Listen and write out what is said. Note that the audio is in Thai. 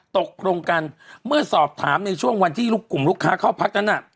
ตกลงกันเมื่อสอบถามในช่วงวันที่ลูกกลุ่มลูกค้าเข้าพักนั้นน่ะ